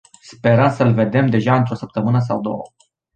Sperăm să-l vedem deja într-o săptămână sau două.